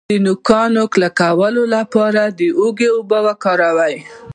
د نوکانو د کلکوالي لپاره د هوږې اوبه وکاروئ